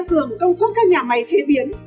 thường công suất các nhà máy chế biến